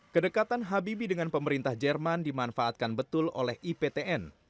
kedekatan habibie dengan pemerintah jerman dimanfaatkan betul oleh iptn